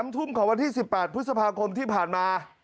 ทุ่มของวันที่๑๘พฤษภาคมที่ผ่านมา